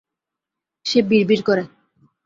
সে বিড়বিড় করে।